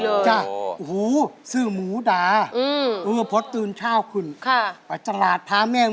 อาจารย์สดใส่ได้ฟังอยู่ก็ผมจะยินดีนะ